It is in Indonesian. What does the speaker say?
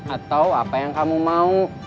atau apa yang kamu mau